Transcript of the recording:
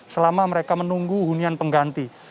selama mereka menunggu hunian pengganti